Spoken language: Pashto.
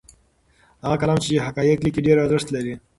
هغه قلم چې حقایق لیکي ډېر ارزښت لري.